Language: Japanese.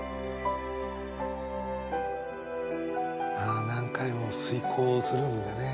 ああ何回も推こうするんだね。